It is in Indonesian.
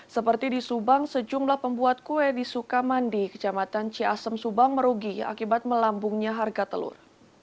seperti di subang sejumlah pembuat kue di sukamandi kecamatan ciasem subang merugi akibat melambungnya harga telur